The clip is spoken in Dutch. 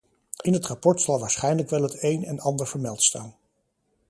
In het rapport zal waarschijnlijk wel het een en ander vermeld staan.